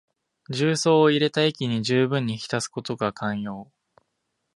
重曹を入れた液にじゅうぶんに浸すことが肝要。